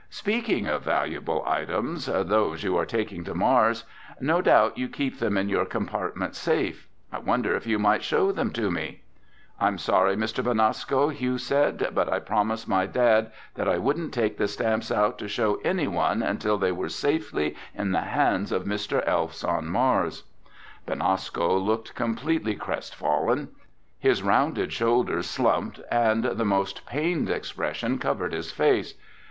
"Speaking of valuable items—those you are taking to Mars—no doubt you keep them in your compartment safe. I wonder if you might show them to me?" "I'm sorry, Mr. Benasco," Hugh said, "but I promised my dad I wouldn't take the stamps out to show anyone until they were safely in the hands of Mr. Elfs on Mars." Benasco looked completely crestfallen. His rounded shoulders slumped and the most pained expression covered his face.